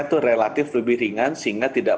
itu relatif lebih ringan sehingga tidak